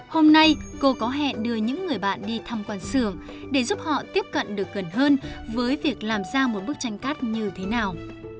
hôm nay cô có hẹn đưa những người bạn đi thăm quan xưởng để giúp họ tiếp cận được gần hơn với việc làm ra một bức tranh cát như thế nào